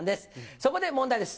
そこで問題です。